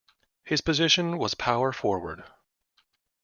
His position was power forward.